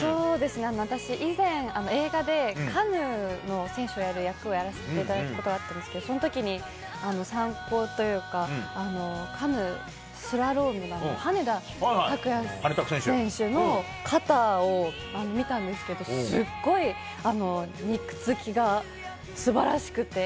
私、以前映画でカヌーの選手をやる役をやらせていただいたことがあったんですけどその時に参考というかカヌースラロームの羽根田卓也選手の肩を見たんですけどすごい肉付きが素晴らしくて。